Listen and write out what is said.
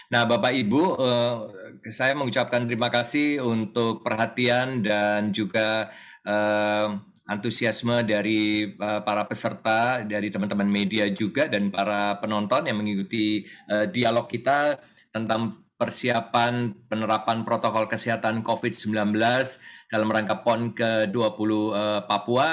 nah bapak ibu saya mengucapkan terima kasih untuk perhatian dan juga antusiasme dari para peserta dari teman teman media juga dan para penonton yang mengikuti dialog kita tentang persiapan penerapan protokol kesehatan covid sembilan belas dalam rangka pon ke dua puluh papua